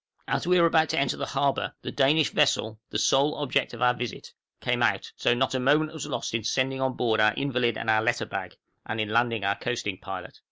As we were about to enter the harbor, the Danish vessel the sole object of our visit came out, so not a moment was lost in sending on board our invalid and our letter bag, and in landing our coasting pilot.